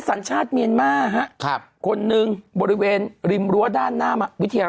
สัญชาติเมียนมาฮะคนหนึ่งบริเวณริมรั้วด้านหน้าวิทยาล